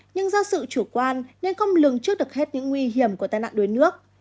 nhưng do sự chủ quan nên không lường trước được hết những nguy hiểm của tai nạn đuối nước